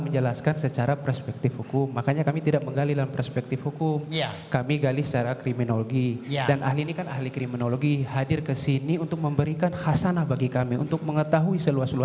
yang artinya adalah lebih baik mati daripada menanggung malu